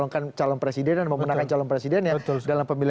kami akan sudah kembali